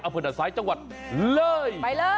ไปเลย